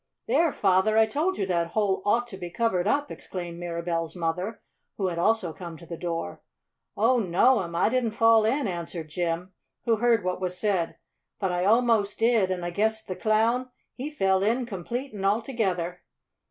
"There, Father! I told you that hole ought to be covered up!" exclaimed Mirabell's mother, who had also come to the door. "Oh, no'm! I didn't fall in!" answered Jim, who heard what was said. "But I almos' did, an' I guess de Clown he fell in complete an' altogether."